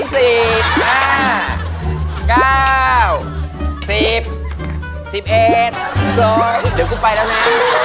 สิบเอ็ดสิบสองเดี๋ยวกูไปแล้วน่ะ